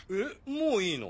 もういいの？